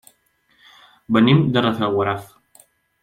Venim de Rafelguaraf.